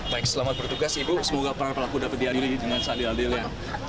baik selamat bertugas ibu semoga peran pelaku dapat diadili dengan seadil adilnya